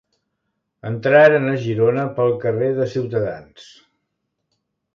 Entraren a Girona pel carrer de Ciutadans.